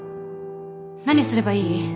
何すればいい？